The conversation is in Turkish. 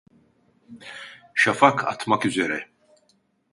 Şafak atmak üzere…